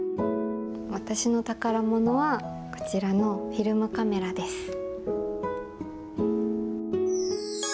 私の宝ものは、こちらのフィルムカメラです。